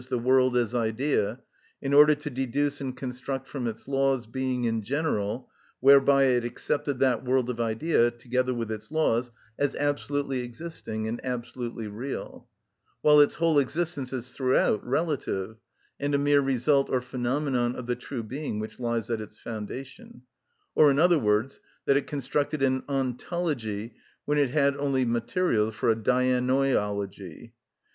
the world as idea, in order to deduce and construct from its laws being in general, whereby it accepted that world of idea, together with its laws, as absolutely existing and absolutely real; while its whole existence is throughout relative, and a mere result or phenomenon of the true being which lies at its foundation,—or, in other words, that it constructed an ontology when it had only materials for a dianoiology.